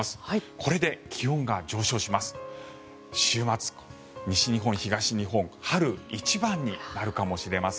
これで気温が上昇します。